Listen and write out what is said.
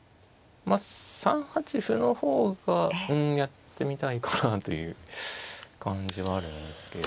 ３八歩の方がやってみたいかなという感じはあるんですけれども。